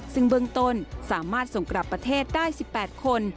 ซึ่งเบื้องต้นสามารถส่งกลับประเทศได้๑๘คน